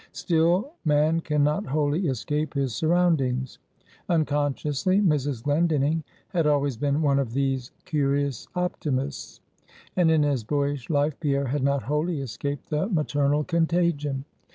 Still, man can not wholly escape his surroundings. Unconsciously Mrs. Glendinning had always been one of these curious Optimists; and in his boyish life Pierre had not wholly escaped the maternal contagion.